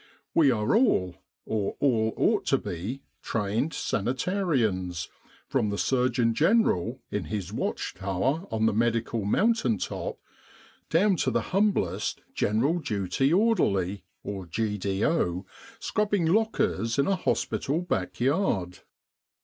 We are all or all ought to be trained sanitarians, from the Surgeon General in his watch tower on the Medical Mountain top down to the humblest G.D.O. scrubbing lockers in a hospital backyard.